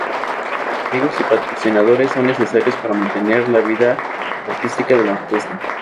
Amigos y patrocinadores son necesarios para mantener la vida artística de la orquesta.